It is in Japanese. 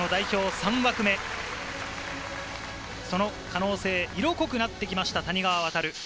３枠目、その可能性、色濃くなってきました谷川航。